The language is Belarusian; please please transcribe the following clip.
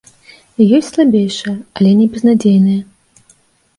І ёсць слабейшыя, але не безнадзейныя.